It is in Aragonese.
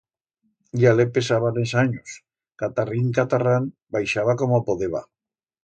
Ya le pesaban es anyos, catarrín-catarrán baixaba como podeba.